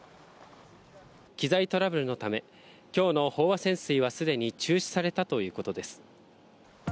機材トラブルのため今日の飽和潜水はすでに中止されたということです。